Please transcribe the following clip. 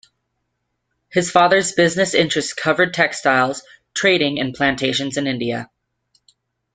His father's business interests covered textiles, trading and plantations in India.